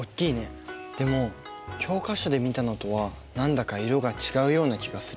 でも教科書で見たのとは何だか色が違うような気がする。